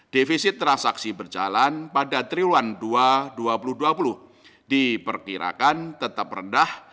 defisit transaksi berjalan pada triwulan dua ribu dua puluh diperkirakan tetap rendah